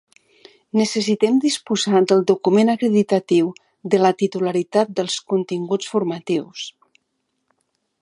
Necessitem disposar del document acreditatiu de la titularitat dels continguts formatius.